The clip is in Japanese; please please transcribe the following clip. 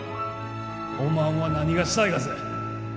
おまんは何がしたいがぜ？